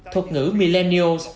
thuật ngữ millennials